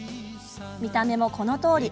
見た目も、このとおり。